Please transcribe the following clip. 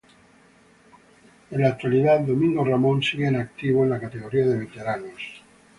En la actualidad Domingo Ramón sigue en activo, en la categoría de veteranos.